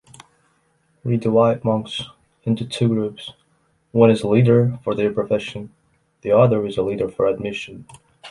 We divide monks into two groups, one is a leader for their profession, the other is a leader for admission.